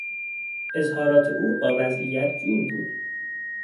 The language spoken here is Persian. اظهارات او با وضعیت جور بود.